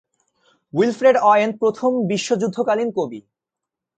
Wilfred Owen প্রথম বিশ্বযুদ্ধকালীন কবি।